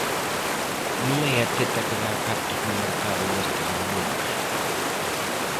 Non é a teta que da cartos no mercado nestes momentos.